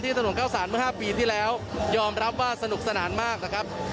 ถนนเข้าสารเมื่อ๕ปีที่แล้วยอมรับว่าสนุกสนานมากนะครับ